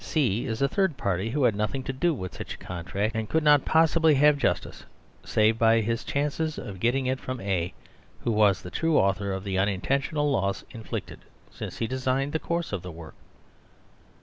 C is a third party who had noth ing to do with such a contract and could not possibly have justice save by his chances of getting it from A, who was the true author of the unintentional loss inflicted, since he designed the course of work.